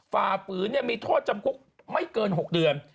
ฝ่าฝืนมีโทษจำคุกไม่เกิน๖เดือน